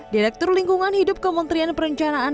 direktur lingkungan hidup kementerian perencanaan